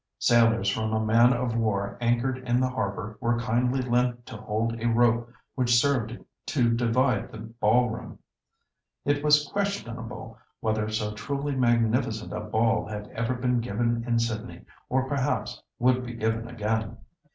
Sailors from a man of war anchored in the harbour were kindly lent to hold a rope which served to divide the ball room. It was questionable whether so truly magnificent a ball had ever been given in Sydney, or perhaps would be given again.